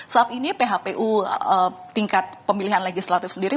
saat ini phpu tingkat pemilihan legislatif sendiri